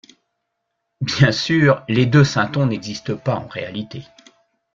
Bien sûr, les deux synthons n'existent pas en réalité.